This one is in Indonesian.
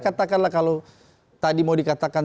katakanlah kalau tadi mau dikatakan